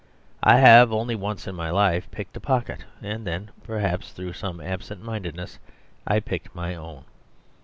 I have only once in my life picked a pocket, and then (perhaps through some absent mindedness) I picked my own.